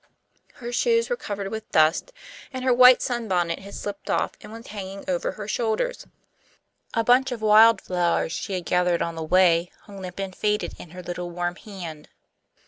Her shoes were covered with dust, and her white sunbonnet had slipped off and was hanging over her shoulders. A bunch of wild flowers she had gathered on the way hung limp and faded in her little warm hand.